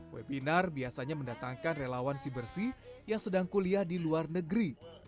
webinar biasanya mendatangkan relawan si bersih yang sedang kuliah di luar negeri